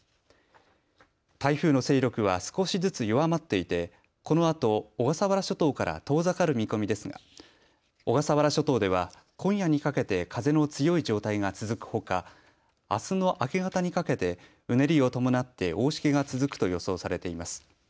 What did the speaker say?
台風の勢力は少しずつ弱まっていてこのあと小笠原諸島から遠ざかる見込みですが小笠原諸島では今夜にかけて風の強い状態が続くほかあすの明け方にかけてうねりを伴って大しけが続くと予想されています。